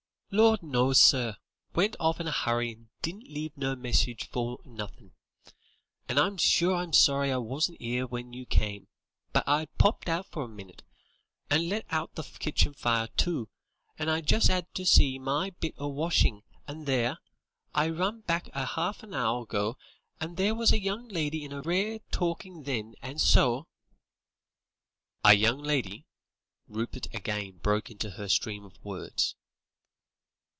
"Lor', no, sir. Went off in a hurry and didn't leave no messages nor nothin'. And I'm sure I'm sorry I wasn't 'ere when you come, but I'd popped out for a minute, and let out the kitchen fire, too, and I just 'ad to see to my bit o' washin', and there, I run back a half an 'our ago, and there was a young lady in a rare takin' then, and so " "A young lady," Rupert again broke into her stream of words.